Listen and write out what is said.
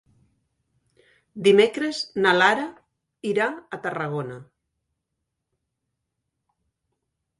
Dimecres na Lara irà a Tarragona.